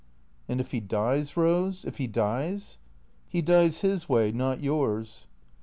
"And if he dies, Eose? If he dies?" " 'E dies 'is way — not yours."